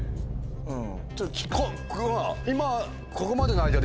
うん。